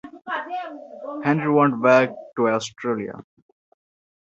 Henry went back to Australia.